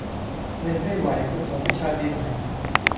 เรียนไม่ไหว ควรถอนวิชาดีไหม